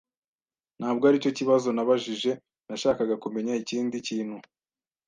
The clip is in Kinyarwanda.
Ntabwo aricyo kibazo nabajije. Nashakaga kumenya ikindi kintu.